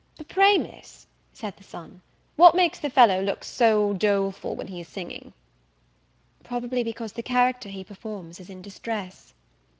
"But pray, Miss," said the son, "what makes that fellow look so doleful while he is singing?" "Probably because the character he performs is in distress."